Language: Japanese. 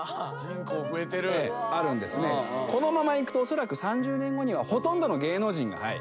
このままいくとおそらく３０年後にはほとんどの芸能人がはい。